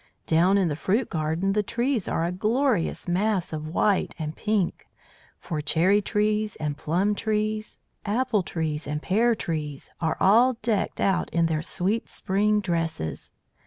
"Down in the fruit garden, the trees are a glorious mass of white and pink; for cherry trees and plum trees, apple trees and pear trees, are all decked out in their sweet spring dresses.